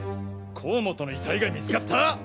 甲本の遺体が見つかった！？